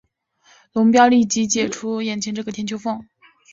龙飙立即解救眼前这个叫田秋凤。